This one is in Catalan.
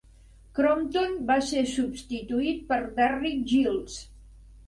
Crompton va ser substituït per Derrick Gyles.